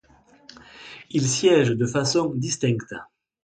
Ils siègent de façon distincte.